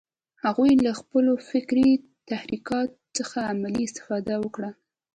هغوی له خپلو فکري تحرکات څخه عملي استفاده وکړه